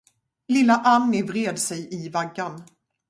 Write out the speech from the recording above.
Lilla Anni vred sig i vaggan.